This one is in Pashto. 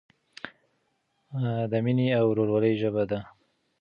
د مینې او ورورولۍ ژبه ده.